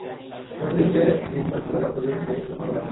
যতদিন সে জীবিত ছিল, ততদিন নিজেদের ভেতর দ্বন্দ্ব রাখি নি।